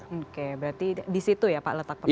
oke berarti di situ ya pak letak prosesnya